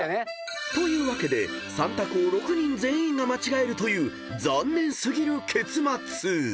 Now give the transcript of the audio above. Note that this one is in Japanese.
［というわけで３択を６人全員が間違えるという残念過ぎる結末］